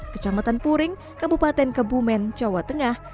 kecamatan puring kabupaten kebumen jawa tengah